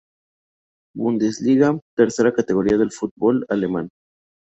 Bundesliga, tercera categoría del fútbol alemán.